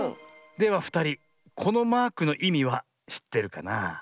ではふたりこのマークのいみはしってるかな？